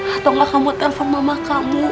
atau gak kamu buat telepon mama kamu